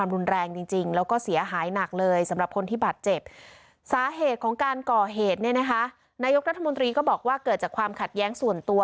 รัฐมนตรีก็บอกว่าเกิดจากความขัดแย้งส่วนตัว